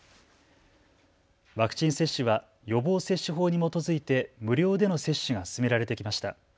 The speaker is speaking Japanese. ワクチン接種は予防接種法に基づいて無料での接種が進められてきました。